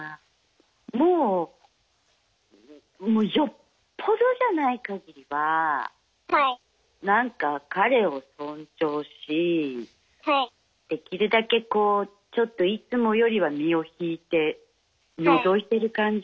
もうよっぽどじゃないかぎりはなんか彼を尊重しできるだけこうちょっといつもよりは身を引いてのぞいてる感じ？